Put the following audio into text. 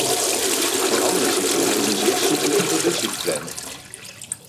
Voor andere sectoren is een zeer soepele introductie gepland.